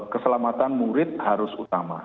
keselamatan murid harus utama